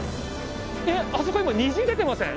えっあそこ今虹出てません？